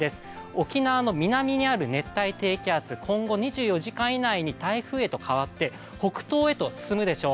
沖縄の南にある熱帯低気圧、今後２４時間以内に台風へと変わって北東へと進むでしょう。